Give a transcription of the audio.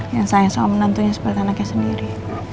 yang sayang sama menantunya seperti anaknya sendiri